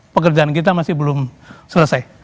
pekerjaan kita masih belum selesai